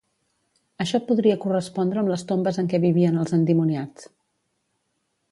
Això podria correspondre amb les tombes en què vivien els endimoniats.